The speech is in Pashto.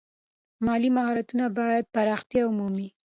مالي مهارتونه باید پراختیا ومومي.